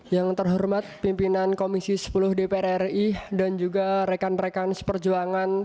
yang terhormat pimpinan komisi sepuluh dpr ri dan juga rekan rekan seperjuangan